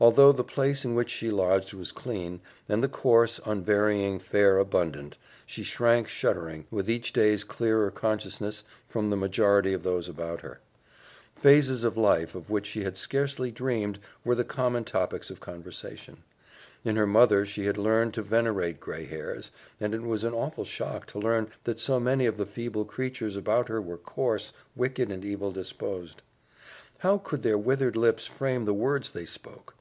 Although the place in which she lodged was clean, and the coarse, unvarying fare abundant, she shrank shuddering, with each day's clearer consciousness, from the majority of those about her. Phases of life of which she had scarcely dreamed were the common topics of conversation. In her mother she had learned to venerate gray hairs, and it was an awful shock to learn that so many of the feeble creatures about her were coarse, wicked, and evil disposed. How could their withered lips frame the words they spoke?